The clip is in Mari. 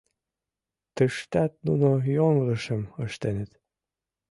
— Тыштат нуно йоҥылышым ыштеныт.